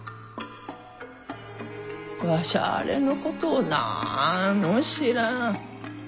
わしゃあれのことをなんも知らん。